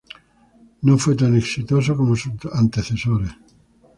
No fue tan exitoso como sus antecesores.